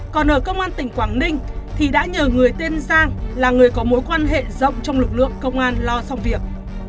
còn ở công an tỉnh quảng ninh thì đã nhờ người tên sang là người có mối quan hệ rộng trong lực lượng công an lo xong việc